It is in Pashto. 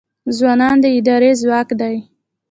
ځوانان د ادارې ځواک دی